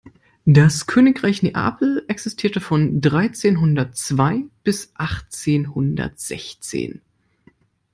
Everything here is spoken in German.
Das Königreich Neapel existierte von dreizehnhundertzwei bis achtzehnhundertsechzehn.